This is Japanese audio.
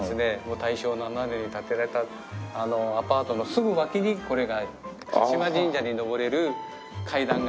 大正７年に建てられたアパートのすぐ脇にこれが端島神社に上れる階段があったんですね。